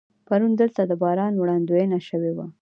پرون دلته د باران وړاندوینه شوې وه.